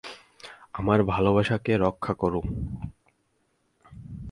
আমার ভালোবাসাকে রক্ষা কোরো।